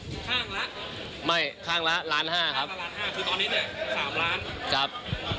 คือตอนนี้๓ล้านครับแล้วอยากจะพูดให้กับแฟนคลับของเราไหมครับ